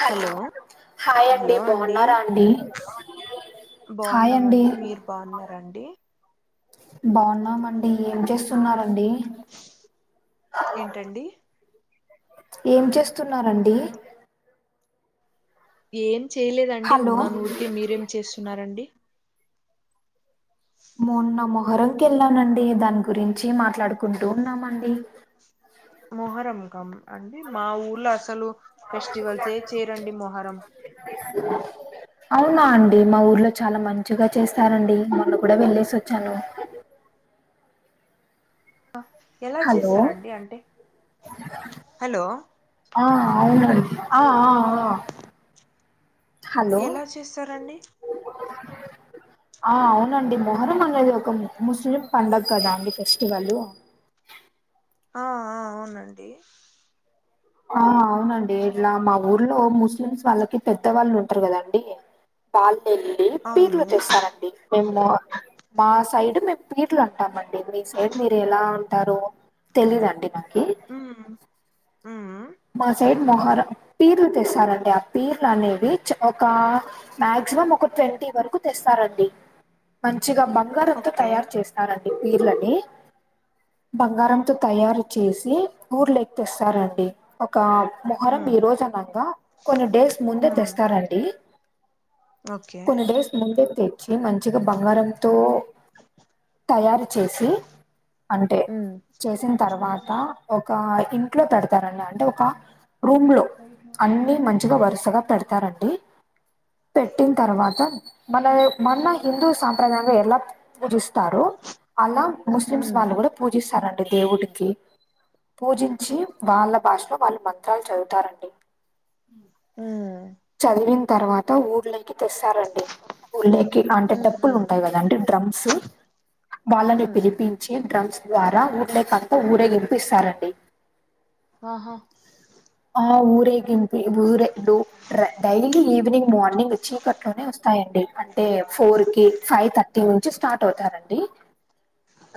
Hello hi అండి బాగున్నారా అండి హాయ్ అండి బాగున్నామండి మీరు బాగున్నారండి బాగున్నామండి ఏం చేస్తున్నారండి ఏంటండి ఏం చేస్తున్నారండి ఏం చేయలేదండి హలో ఉన్నాను ఊరికే మీరేమి చేస్తున్నారండి? మొన్న మొహరంకి వెళ్ళానండి దాని గురించి మాట్లాడుకుంటూ ఉన్నామండి మొహరం కా అండీ మా ఊర్లో అసలు ఫెస్టివల్స్ ఏ చేయరండి మొహరం అవునా అండి మా ఊర్లో చాలా మంచిగా చేస్తారండి, మొన్న కూడా వెళ్ళేసి వచ్చాను. ఎలా హలో చేస్తారండి అంటే హలో ఆ అవునండీ ఆ ఆ ఆ హలో ఎలా చేస్తారండి ఆ అవునండి మొహరం అనేది ఒక ముస్లిం పండుగ కదా అండి ఫెస్టివల్ ఆ ఆ అవునండి ఆ అవునండి ఇట్లా మా ఊర్లో ముస్లిమ్స్ వాళ్ళకి పెద్దవాళ్ళు ఉంటారు కదండి పాలుకి వెళ్ళి పీర్లు అవును తెస్తారండి మేము మా సైడ్ మేము పీర్లు అంటామండి మీ సైడ్ మీరు ఎలా అంటారో తెలీదండి నాకి ఉమ్మ్ మా సైడ్ మొహరం పీర్లు తెస్తారంండి ఆ పీర్లు అనేవి ఒక మాక్సిమం ఒక ట్వంటీ వరకు తెస్తారండి మంచిగా బం బంగారంతో ఓకే తయారు చేస్తారండి పీర్లని ఉమ్ బంగారంతో తయారు చేసి ఊర్లోకి తెస్తారండి ఒక మొహరం ఉమ్ ఈ రోజు అనంగా కొన్ని డేస్ ముందే ఉమ్ తెస్తారండి ఓకే కొన్ని డేస్ ముందే తె చ్చి మంచిగా బంగారంతో తయారు చేసి అంటే ఉమ్ చేసిన తర్వాత ఒక ఇంట్లో పెడతారండి అంటే ఒక రూమ్ లో అన్ని మంచిగా వరుసగా పెడతారండి పెట్టిన తర్వాత మళ్ళా మన హిందూ సాంప్రదాయంలో ఎలా పూజిస్తారో అలా ముస్లిమ్స్ ఉమ్ వాళ్ళు కూడా పూజిస్తార అండి దేవుడికి పూజించి ఓకే వాళ్ళ భాషలో వాళ్ళు మంత్రాలు చదువుతారండి ఉమ్ చదివిన తర్వాత ఊర్లోకి తెస్తారండి ఊళ్ళోకి అంటే డప్పులు ఉమ్ ఉంటాయి కదండి డ్రమ్స్ వాళ్ళని ఉమ్ పిలిపించి డ్రమ్స్ ద్వారా ఊళ్లోకంత ఊరేగింపు ఇస్తారండి ఆహా ఆ ఊరే గింపి ఊరే డైలీ ఈవెనింగ్ మార్నింగ్ వచ్చి చట్ లోనే వస్తాయండి అంటే ఫోర్ కి ఫైవ్ థర్టీ నుంచి స్టార్ట్ అవుతారండి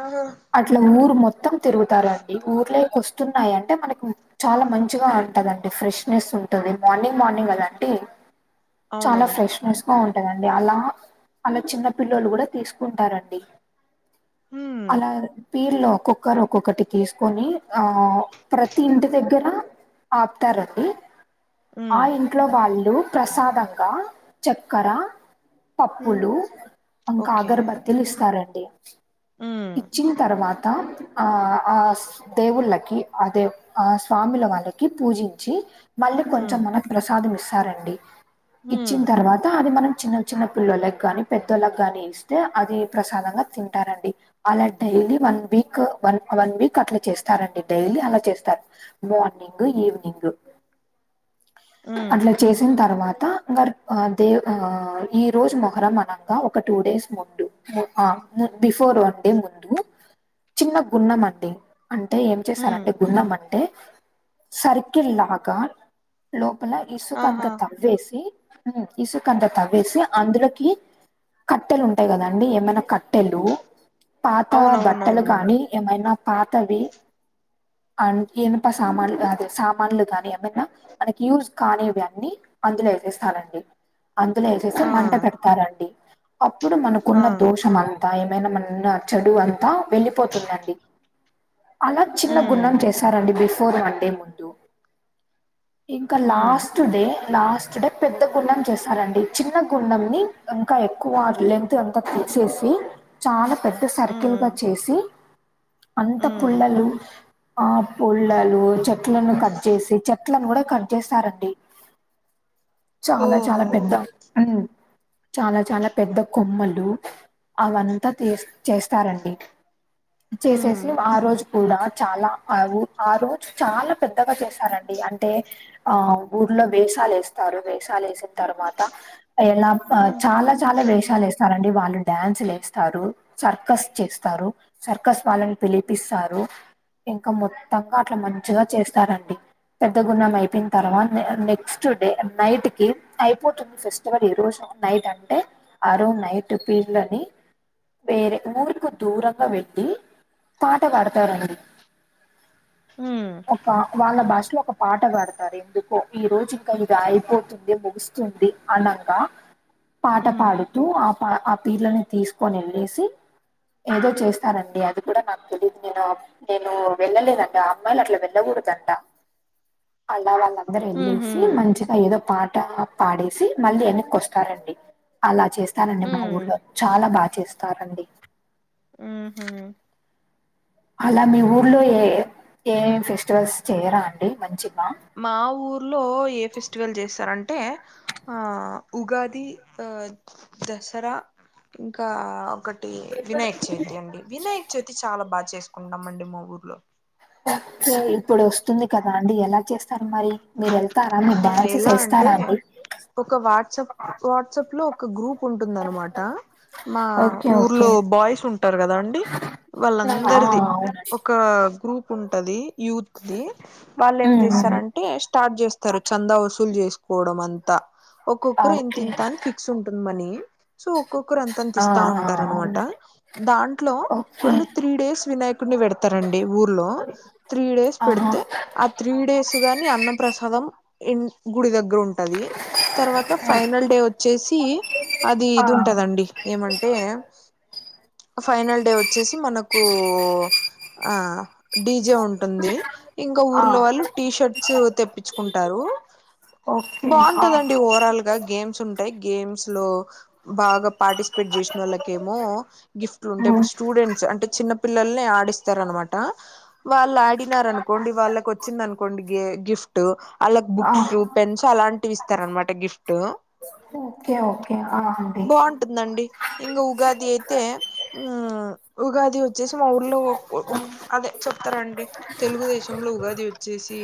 ఇంగా అట్లా ఊరు మొత్తం తిరుగుతారండి ఊర్లోకి వస్తున్నాయి అంటే మనకి చాలా మంచిగా ఉంటందండి ఫ్రెష్నెస్ ఉంటుంది మార్నింగ్ మార్నింగ్ అదంటే చాలా అవునవును ఫ్రెష్నెస్ బాగుంటదండి అలా అలా చిన్న పిల్లలు కూడా తీసుకుంటారండి హ్మ్ అలా పీర్ లో ఒక్కొక్కరు ఒక్కొక్కటి తీసుకొని ఆ ప్రతి ఇంటి దగ్గర దగ్గర ఆపుతారండి హ్మ్ ఆ ఇంట్లో వాళ్ళు ప్రసాదంగా చక్కర హ్మ్ పప్పులు ఇంకా ఓకే. అగరబత్తిలు ఇస్తారండి హ్మ్. ఇచ్చిన తర్వాత ఆ ఆ దేవుళ్ళకి అదే ఆ స్వాముల వాళ్ళకి పూజించి మళ్ళీ హ్మ్. కొంచెం మనకు ప్రసాదం ఇస్తారండి హ్మ్. ఇచ్చిన తర్వా త అది మనం చిన్న చిన్న పిల్లకి గాని పెద్దోళ్ళకి గాని ఇస్తే అది ప్రసాదంగా తింటారండి అలా daily one week one one week అట్లా చేస్తారండి డైలీ అలా చేస్తారు మార్నింగ్ ఈవెనింగ్ హ్మ్. అట్లా చేసిన తర్వాత గా దే ఆ ఈ రోజు మొహరం మనం ఒక టూ డేస్ ముందు బిఫోర్ వన్ డే ముందు చిన్న గున్నం అండి అంటే ఏం హ్మ్. చేశారంటే గున్నం అంటే సర్కిల్ లాగా లోపల ఇసుకంత ఆహా! తవ్వేసి ఇసుకంత తవ్వేసి అందులోకి కట్టెలు ఉంటాయి కదాండి ఏమైనా కట్టెలు పాత బట్టలు అవునవునవునండి. గానీ ఏ మైనా పాతవి అండ్ సామాన్లు కాదు సామాన్లుగానీ ఏమన్నా మనకి యూజ్ కానివి అన్నీ అందులో వేసేస్తానండి అందులో వేసేసి ఆ! మంట పెడతారండి అప్పుడు ఆ! మనకున్న దోషం అం త ఏమైనా మనన్న చెడు అంతా వెళ్ళిపోతుందండి అలా చిన్న గున్నం హ్మ్. చేశారండి బిఫోర్ వన్ డే ముందు ఇంకా హ్మ్. Last two day last day పెద్ద గుండం చేస్తారండి చిన్న గుండం ని ఇంకా ఎక్కువ లె అంత పూడ్సేసి చాలా పెద్ద సర్కిల్గా హ్మ్. చేసి అంత హ్మ్. పుల్లలు ఆ పొల్ లలు చెట్లను కట్ చేసి చెట్లను కూడా కట్ చేస్తారండి చాలా ఓహో! చాలా పెద్ద చాలా చాలా పెద్ద కొమ్మలు అవంతా తీ చేస్తారండి హ్మ్. చేసేసి ఆ రోజు కూడా చాలా ఆవు ఆ రోజు చాలా పెద్దగా చేశారండి అంటే ఆ ఊర్లో వేషాలు వేస్తారు వేషాలు వేసిన తర్వాత ఎలా ఆ హ్మ్. చాలా చాలా వేషాలు వేస్తారండి వాళ్ళు డ్యాన్స్లు వేస్తారు సర్కస్ చేస్తారు సర్కస్ వాళ్ళని పిలిపిస్తారు ఇంకా మొత్తంగా అట్లా మంచిగా చేస్తారండి పెద్దగున్నం అయిపోయిన తర్వాత నెక్స్ట్ డే నైట్ కి అయిపోతుంది ఫెస్టివల్ ఈ రోజు నైట్ అంటే ఆరు నైట్ పీర్లని వేరే ఊరుకు దూరంగా బెట్టి పాట పాడతారండి హ్మ్. ఒక వాళ్ళ భాషలో ఒక పాట పాడతార్ ఎందుకో ఈ రోజు ఇంకా ఇది అయిపోతున్ వుంది ముగుస్తుంది అనగా పాట హ్మ్. పాడుతూ ఆప్ ఆ పీర్లని తీసుకొనెళ్ళేసి ఏదో చేస్తారండి అది కూడా నాకు తెలీదు నేను నేనూ వెళ్ళలేదండి అమ్మాయిలట్లా వెళ్ళకూడదంట అలా వాళ్ళ ద్దరు హుహు. ఎళ్ళేసి మంచిగ ఏదో పాట పాడేసి మళ్ళీ ఎనక్కోస్తారండి అలా చేస్తారండి మా హ్మ్. ఊర్లో చాలా బా చేస్తారండి ఉమ్ హు అలా మీ ఊర్లో ఏ ఏ ఫెస్టివల్స్ చేయరా అండి మంచిగా మా ఊర్లో ఏ ఫెస్టివల్ చేస్తరంటే ఆ ఉగాది ఆ దసరా ఇంకా ఒకట్ టి వినాయక చవితి అండి వినాయక చవితి చాలా బా చేసుకుంటాం అండి మా ఊర్లో ఓకె ఇప్పుడు వస్తుంది కదా అండి ఎలా చేస్తరు మరి మీరెళ్తారా మీర్ డ్యాన్సస్ ఎలా అంటే ఏస్తారా అండి ఒక వాట్సప్ వాట్సాప్ లో ఒక గ్రూప్ ఉంటుందనమాట మా ఓకే ఊర్లో ఓకే బాయ్స్ ఉంటరు గదా అండి ఆ వాళ్ళందరిది అవునండి ఒకా గ్రూప్ ఉంటది యూత్ ది వాళ్లెం ఉమ్ ఉమ్ జేస్తరం టే స్టార్ట్ జేస్తరు చందా వసూలు చేసుకోవడం అంతా ఆ, ఒక్కొక్కరు ఓకే ఇంతింతాని ఫిక్స్ ఉంటుంద్ మనీ, సో ఒక్కొక్కరు ఆ అంతంతిస్తా ఆ ఉంటారనమాట అవునండి దాంట్లో ఓకే వాళ్ళు త్రీ డేస్ వినాయకుడ్నీ పెడతరండి ఊర్లో త్రీ డేస్ ఆహా పెడితే ఆ త్రీ డేస్ గాని అన్న ప్రసాదం ఇన్ గుడి దగ్గరుంటున్ టది తర్వాత ఫైనల్ డే వచ్చేసి అది ఆ ఇది ఉంటదండి ఏమంటే ఫైనల్ డే వచ్చేసి మనకు ఆ డీజే ఉంట్ టుంది ఇంక ఆ ఊర్లో వాళ్ళు టీ షర్ట్స్ తెప్పిచ్చుకుంటారు ఓకే ఆ బావుంటందండి ఓవరాల్ గ గేమ్స్ ఉంటాయి గేమ్స్ లో బాగా పార్టిసిపేట్ చేసినోళ్ళకేమో గిఫ్ట్ లుంటాయి ఉమ్ ఇప్పుడు స్టూడెంట్స్ అంటే చిన్న పిల్లల్నే ఆడిస్తారనమాట వాళ్ళయ్ డినారనుకోండి వాళ్ళకొచ్చిందనుకోండి గే గిఫ్ టు ఆళ్ళక్ ఆ బుక్స్, పెన్స్ అలాంటివిస్తారనమాట గిఫ్ట్ ఓకే ఓకే ఆ అండి బావుంటుందండి ఇంగ ఉగాది అయితే ఉమ్ ఉగాది వచ్చేసి మా ఊర్లో ఒ ఒ ఒ అదే చెప్తరండి తెలుగుదేశంలో ఉగాది చ్చేసి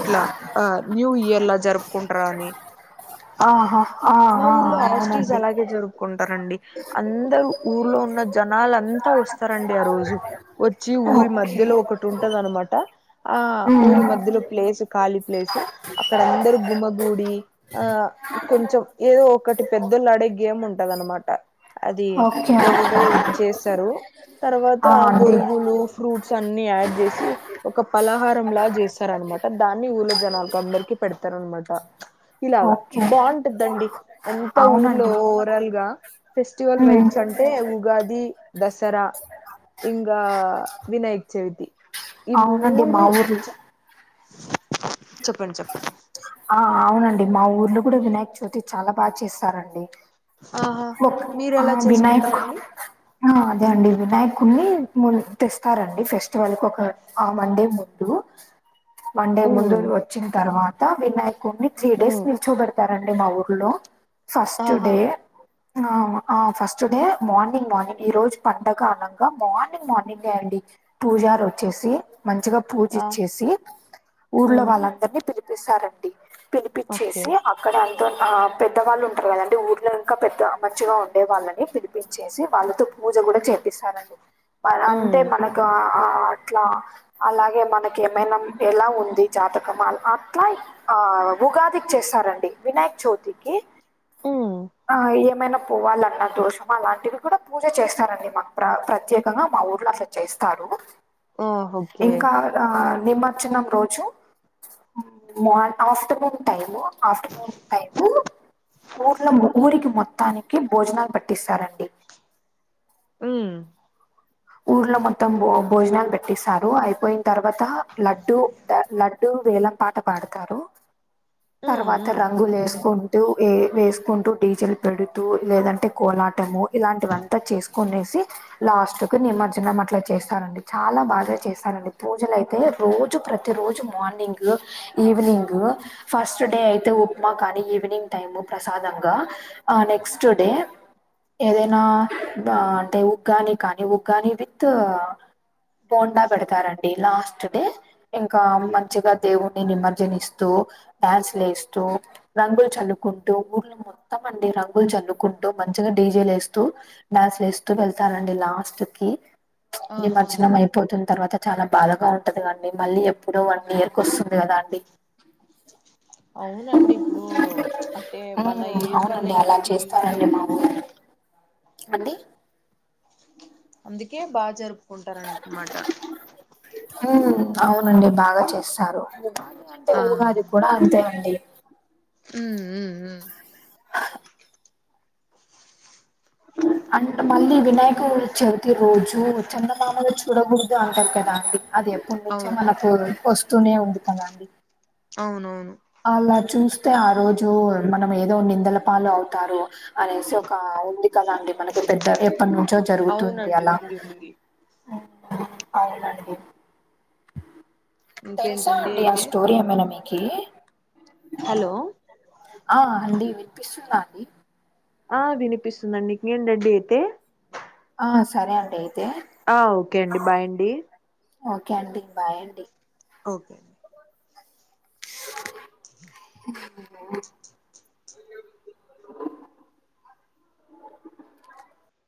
ఇట్లా ఆ న్యూ ఇయర్ లా జరుపుకుంటరాని ఆహా ఆ మా ఆ ఊర్లో యాస్టీజ్ అవునండి అలాగే జరుప్ కుంటరండి అందరు ఊర్లో ఉన్న జనాలంతా వస్ స్తరండి ఆ రోజు, వచ్చి ఊరి ఓకే మధ్యలో ఒకటి ఉంటదనమాట ఆ ఊరి ఉమ్ మధ్యలో ప్లేస్ ఖాళీ ప్లేసు అక్కడ అందరు గుమగూడి ఆ కొంచెం ఏదో ఒకటి పెద్దోల్లాడే గేమ్ ఉంటదనమాట అది ఓకే ఏదేదో చేస్తరు తర్వాత ఆ అండి బొరుగులు ఫ్రూట్స్ అన్ని యాడ్ జేసి ఒక పలహారం లాగ్ చేస్తరనమాట దాన్ని ఊర్ళ జనాలకందరికి పెడతరనమాట ఇలాగా ఓకే బావుంటుద్దండి అంతా ఊర్లో అవునండి ఓవరాల్గా ఫెస్టివల్ ఉమ్ వైబ్స్ అంటే ఉగాది దసరా ఇంగా వినాయక్ చవితి ఈ అవునండి మూడు మా ఊర్లో చ చెప్పండి చెప్పండి ఆ అవునండి మా ఊర్లో కూడా వినాయక్ చవితి చాలా బాగా చేస్తారండి ఆహా ఒక్ మీరు ఆ ఎలా వినాయక్ చేసుకుంటారండి ఆ అదే అండి వినాయకుని మున్ తెస్తారండి ఫెస్టివల్ కు ఒక ఆ వన్ డే ముందు వన్ డే ముందు ఉమ్ వచ్చిన తర్వాత త వినాయకుని త్రీ డేస్ ఉమ్ నిల్చోబడతారండి మా ఊర్లో ఫస్ట్ ఆహా డే ఆ ఆ ఫస్ట్ డే మార్నింగ్ మార్నింగ్ ఈరోజు పండగ అనంగ మార్నింగ్ మార్నింగే అండి పూజారి వచ్చేసి మంచిగా ఆ పూజచ్చేసి ఊర్లో ఉమ్ వాళ్ళందరినీ పిలిపిస్తారండి ఓకే పిలిపిచ్చేసి అప్ క్కడ ఎంతోన్న పెద్దవాళ్ళు ఉంటారు కదండి ఊర్లో ఇంకా పెద్ద మంచిగా ఉండే వాళ్ళని పిలి పిచ్చేసి వాళ్ళతో పూజ కూడా చేపిస్తారండి మరంటే ఉమ్ మనకు ఆ ఆ అట్లా అలాగే మనకి ఏమైనా ఎలా ఉంది జాతకం అలా అట్లా ఆ ఉగాదికి చేస్తారండి వినాయక్ చౌతికి ఉమ్ ఆ ఏమైన పోవాలన్న దోషం అలాంటివి కూడా పూజ చేస్తారండి మాకు ప్ర ప్రత్యేకంగా మా ఊర్లో చేస్తారు ఆ ఓకే ఇంకా ఆ నిమజ్జనం రోజు morn afternoon time afternoon time ఊర్లో ఊరికి మొత్తానికి భోజనాలు పట్టిస్తారండి ఊమ్ ఊర్లో మొత్తము భో భోజనాలు పెట్టిస్తారు అయిపోయిన తర్వాత లడ్డుూ లడ్డుూ వేలం పాట పాడతారు ఉమ్ తర్వాత ఉమ్ రంగులు వేసుకుంటూ ఏ వేసుకుంటూ డీజెల్ పెడుతూ లేదంటే కోలాటము ఇలాంటివంతా చేసుకునేసి లాస్ట్ నిమజ్జనం అట్లా చేస్తారండి చాలా బాగా చేస్తారండి పూజలు అయితే రోజు ప్రతి తి రోజు మార్నింగు ఈవినింగు ఫస్ట్ డే అయితే ఉప్మా కానీ ఈవినింగ్ టైము ప్రసాదంగా ఆ నెక్స్ట్ డే ఏదైనా ఆ అంటే ఉగ్గాని కానీ ఉప్ గానీ విత్ బోండా పెడతారండి లాస్ట్ డే ఇంకా మంచిగా దేవుణ్ణి నిమజ్జనిస్తూ డ్యాన్స్ లేస్తు రంగులు చల్లుకుంటు ఊర్ళ మొత్తం అండి రంగులు చల్లుకుంటూ మంచిగా డీజేలేస్తూ డాన్సులేస్తూ వెళ్తారండి లాస్ట్ కి ఆహా నిమర్జనం అయిపో పోతుంది తర్వాత చాలా బాధగా ఉంటది కాండి మళ్ళీ ఎప్పుడో వన్ ఇయర్ కి వస్తది కదా అండి అవునండి ఇప్పుడు అంటే మన ఉమ్ ఏజ్ వాళ్లే అవునండి అలా కదండి యూత్ చేస్తారండి మా అంతా ఊర్లో అండి అందుకే బాగా జరుపుకుంటారాంట్ మాట ఊమ్ అవునండి బాగా చేస్తారు అంటే ఆ ఉగాది కూడా అంతే అండి ఊమ్ ఊ ఊమ్ చవితి రోజు చందమామను చూడకూడదు అంటారు కదా అండి అది ఎప్పుడు నుంచో అవును మనకు వస్తూనే ఉంది కదండి అవునవును అలా చూస్తే ఆ రోజు మనం ఏదో నిందల పాలు అవుతారు అనేసి ఒక ఉంది కదా అండి మనకి పెద్ద ఎప్పటి నుంచో జరుగుతుంది అవునండి అలా ఉంది ఉంది అవునండి తెలుసా ఇంకేంటండి అండి ఆ అయితే స్టోరీ ఏమైన మికీ హలో ఆ అండి వినిపిస్తుందా అండి ఆ వినిపిస్తుందండి నేను రెడ్డి అయితే ఆ సరే అండి అయితే ఆ ఓకే అండి బాయ్ అండి ఓకే అండి బాయ్ అండి ఓకే అండి